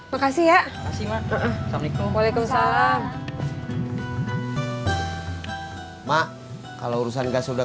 makasih ya makasih maaf assalamualaikum waalaikumsalam mak kalau urusan gas udah